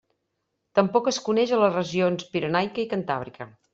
Tampoc es coneix a les regions Pirenaica i Cantàbrica.